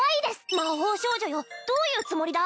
魔法少女よどういうつもりだ？